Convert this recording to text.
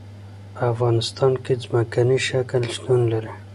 په افغانستان کې ځمکنی شکل شتون لري.